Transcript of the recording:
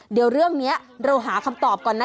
เดี๋ยวเรื่องนี้เราหาคำตอบก่อนนะ